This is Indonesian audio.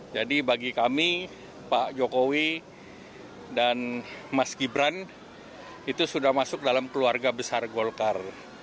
jadi bagi kami pak jokowi dan mas gibran itu sudah masuk dalam keluarga besar golkar